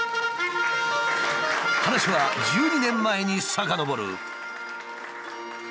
話は１２年前に遡る。